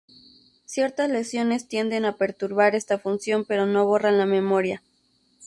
Ciertas lesiones tienden a perturbar esta función pero no borran la memoria.